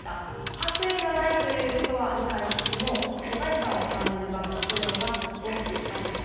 悪意はないということは理解しつつも疎外感を感じる場面というのが多くありました。